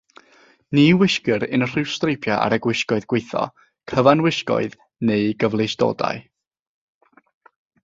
Ni wisgir unrhyw streipiau ar y gwisgoedd gweithio - cyfanwisgoedd neu gyfleustodau.